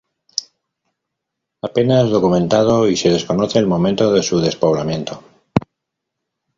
Apenas documentado y se desconoce el momento de su despoblamiento.